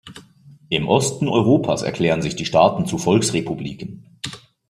Im Osten Europas erklären sich die Staaten zu Volksrepubliken.